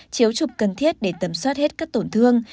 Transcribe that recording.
chiếu trục cần thiết để tẩm soát hết các tổn thương